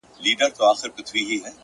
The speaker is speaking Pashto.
یاد د هغې راکړه! راته شراب راکه!